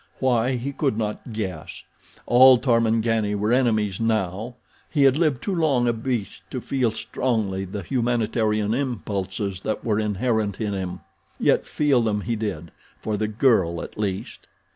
Why, he could not guess. All Tarmangani were enemies now. He had lived too long a beast to feel strongly the humanitarian impulses that were inherent in him—yet feel them he did, for the girl at least.